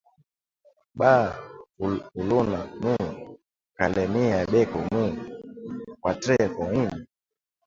Ba kuluna mu kalemie beko mu quatre coin